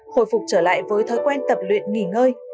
hồi phục trở lại với thói quen tập luyện nghỉ ngơi